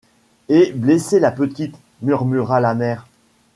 Et blessé la petite! murmura la mère.